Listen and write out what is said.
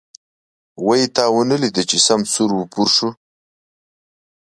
وی تا ونه ليده چې سم سور و پور شو.